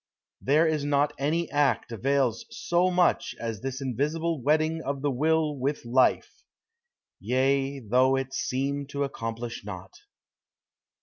There is not any act avails so much As this invisible wedding of the will With Life yea, though it seem to accomplish naught.